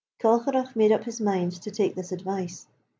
Colcheragh made up his mind to take this advice.